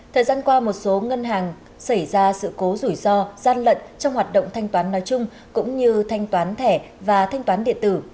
thời gian qua một số ngân hàng xảy ra sự cố rủi ro gian lận trong hoạt động thanh toán nói chung cũng như thanh toán thẻ và thanh toán điện tử